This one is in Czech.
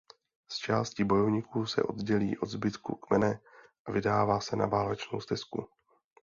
S částí bojovníků se oddělí od zbytku kmene a vydává se na válečnou stezku.